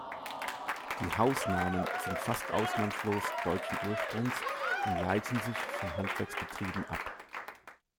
Die Hausnamen sind fast ausnahmslos deutschen Ursprungs und leiten sich von Handwerksbetrieben ab.